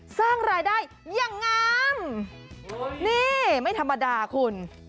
สร้างรายได้อย่างงามนี่ไม่ธรรมดาคุณ